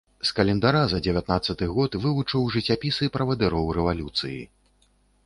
З календара за дзевятнаццаты год вывучыў жыццяпісы правадыроў рэвалюцыі.